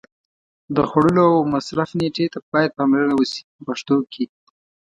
د خوړلو او مصرف نېټې ته باید پاملرنه وشي په پښتو کې.